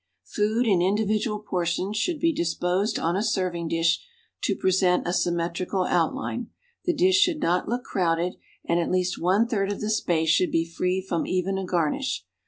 Food in individual portions should be disposed on a serving dish to present a symmetrical outline. The dish should not look crowded, and at least one third of the space should be free from even a gar nish.